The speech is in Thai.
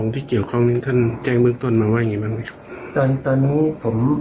ตอนนี้ผม